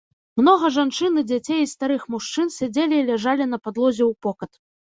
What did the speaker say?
Многа жанчын, і дзяцей, і старых мужчын сядзелі і ляжалі на падлозе ўпокат.